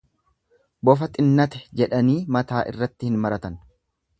Bofa xinnate jedhanii mataa irratti hin maratan.